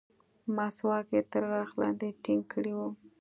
مسواک يې تر غاښ لاندې ټينګ کړى و.